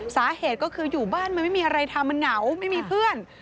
สาเหตุก็คืออยู่บ้านมันไม่มีอะไรทำมันเหงาไม่มีเพื่อน